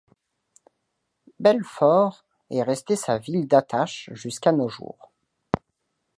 Belfort est restée sa ville d'attache jusqu'à nos jours.